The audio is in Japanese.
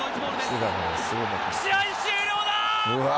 試合終了だ。